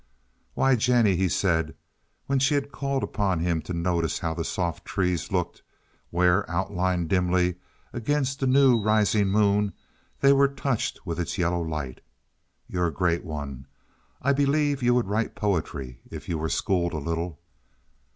"Why, Jennie," he said, when she had called upon him to notice how soft the trees looked, where, outlined dimly against the new rising moon, they were touched with its yellow light, "you're a great one. I believe you would write poetry if you were schooled a little."